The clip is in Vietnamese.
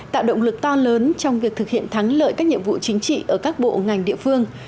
tạo động lực to lớn trong việc thực hiện thắng lợi các nhiệm vụ chính trị ở các bộ ngành địa phương